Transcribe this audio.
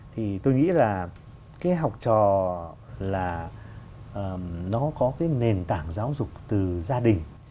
thì tôi nghĩ là cái học trò là nó có cái nền tảng giáo dục từ gia đình